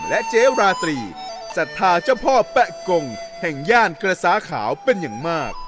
เจ๊ราตรีศรัทธาเจ้าพ่อแปะกงแห่งย่านกระซ้าขาวเป็นอย่างมาก